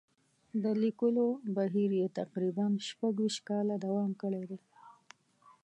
د لیکلو بهیر یې تقریباً شپږ ویشت کاله دوام کړی دی.